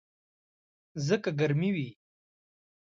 ځکه ګرمي وي.